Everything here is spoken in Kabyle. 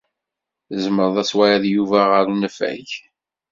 Tzemred ad tawid Yuba ɣer unafag?